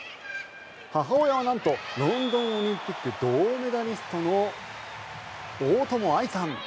母親はなんとロンドンオリンピック銅メダリストの大友愛さん。